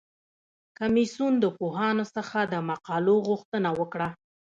کمیسیون د پوهانو څخه د مقالو غوښتنه وکړه.